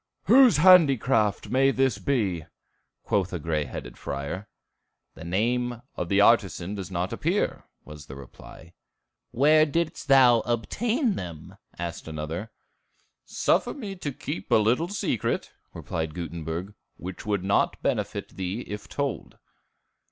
"Whose handicraft may this be?" quoth a gray headed friar. "The name of the artisan doth not appear," was the reply. "Where didst thou obtain them?" asked another. "Suffer me to keep a little secret," replied Gutenberg, "which would not benefit thee if told."